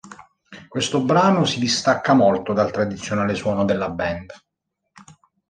Questo brano si distacca molto dal tradizionale suono della band.